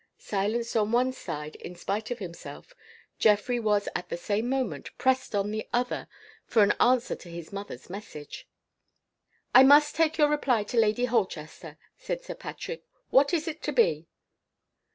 Silenced on one side, in spite of himself, Geoffrey was at the same moment pressed on the other for an answer to his mother's message. "I must take your reply to Lady Holchester," said Sir Patrick. "What is it to be?"